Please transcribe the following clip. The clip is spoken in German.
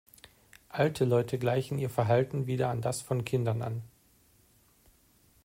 Alte Leute gleichen ihr Verhalten wieder an das von Kindern an.